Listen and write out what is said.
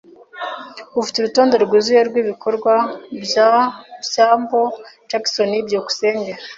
Ufite urutonde rwuzuye rwibikorwa bya byambo Jackson? byukusenge